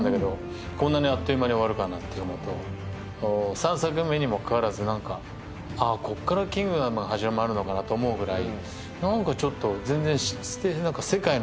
３作目にもかかわらずああここから「キングダム」が始まるのかなと思うぐらい。